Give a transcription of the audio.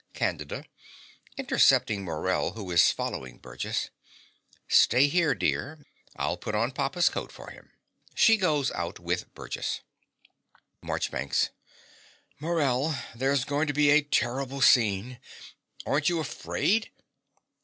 CANDIDA (intercepting Morell, who is following Burgess). Stay here, dear: I'll put on papa's coat for him. (She goes out with Burgess.) MARCHBANKS. Morell: there's going to be a terrible scene. Aren't you afraid?